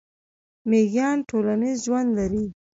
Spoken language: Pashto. میږیان ټولنیز ژوند لري